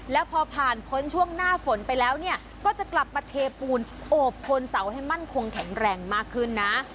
แล้วพอผ่านพ้นช่วงหน้าฝนไปแล้วเนี่ยก็จะกลับมาเทปูนโอบทนเสาให้มั่นคงแข็งแรงมากขึ้นนะ